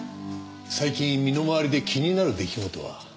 最近身の周りで気になる出来事は？